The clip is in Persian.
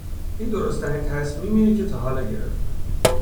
این درست ترین تصمیمیه که تا حالا گرفتم